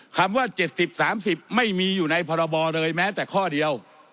คำว่าเจ็ดสิบสามสิบไม่มีอยู่ในพรบอเลยแม้แต่ข้อเดียว